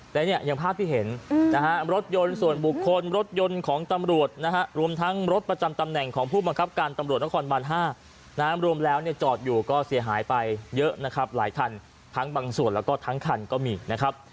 และเนี่ยอย่างภาพที่เห็นนะฮะรถยนต์ส่วนบุคคลรถยนต์ของตำรวจนะฮะรวมทั้งรถประจำตำแหน่งของผู้บังคับการตำรวจนครบาน๕รวมแล้วเนี่ยจอดอยู่ก็เสียหายไปเยอะนะครับหลายคันทั้งบางส่วนแล้วก็ทั้งคันก็มีนะครับ